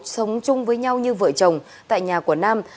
sống chung với nhau như vợ chồng tại nhà của nam